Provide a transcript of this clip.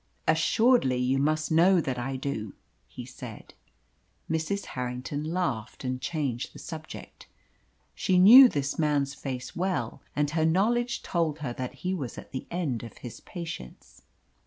"Assuredly you must know that I do," he said. Mrs. Harrington laughed, and changed the subject. She knew this man's face well, and her knowledge told her that he was at the end of his patience.